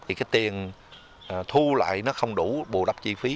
thì cái tiền thu lại nó không đủ bù đắp chi phí